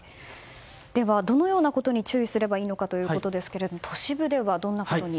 どのようなことに注意すればいいのかということですけれども都市部ではどんなことに？